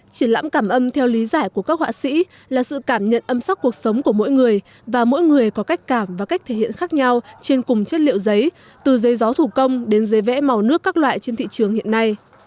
triển lãm cảm âm theo lý giải của các họa sĩ là sự cảm nhận âm sắc cuộc sống của mỗi người và mỗi người có cách cảm và cách thể hiện khác nhau trên cùng chất liệu giấy từ dây gió thủ công đến giấy vẽ màu nước các loại trên thị trường hiện nay